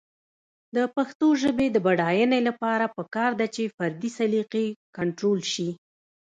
د پښتو ژبې د بډاینې لپاره پکار ده چې فردي سلیقې کنټرول شي.